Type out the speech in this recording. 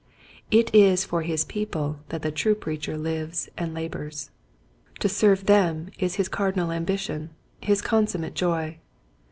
It is for his people that the true preacher lives and labors. To serve them is his cardinal ambition, his consummate joy.